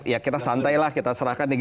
ya kita santailah kita serahkan